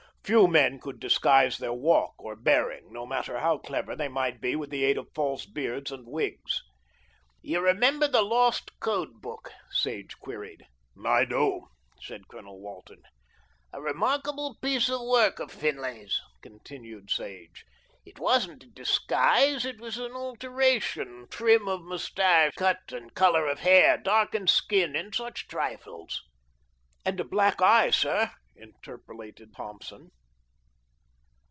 Few men could disguise their walk or bearing, no matter how clever they might be with the aid of false beards and wigs. "You remember the lost code book?" Sage queried. "I do," said Colonel Walton. "A remarkable piece of work of Finlay's," continued Sage. "It wasn't a disguise, it was an alteration; trim of moustache, cut and colour of hair, darkened skin and such trifles." "And the black eye, sir," interpolated Thompson.